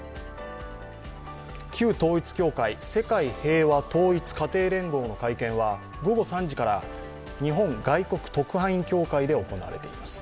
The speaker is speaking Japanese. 旧統一教会、世界平和統一家庭連合の会見は午後３時から、日本外国特派員協会で行われています。